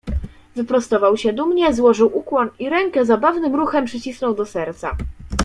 "Wyprostował się dumnie, złożył ukłon i rękę zabawnym ruchem przycisnął do serca."